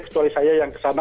kecuali saya yang ke sana